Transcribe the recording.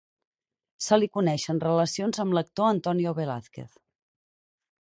Se li coneixen relacions amb l'actor Antonio Velázquez.